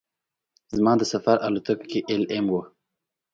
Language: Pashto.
زما د سفر الوتکه کې ایل ایم وه.